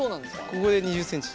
ここで２０ｃｍ。